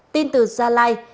tin từ gia lai